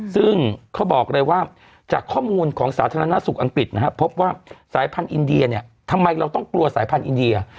ซึ่งเขาบอกเลยว่าจากข้อมูลของสาธารณสุขอังกฤษนะครับพบว่าสายพันธุ์อินเดียเนี่ยทำไมเราต้องกลัวสายพันธุ์อินเดีย